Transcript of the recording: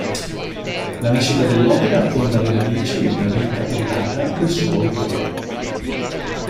La nascita dell'opera affonda le radici nella vita privata del suo autore.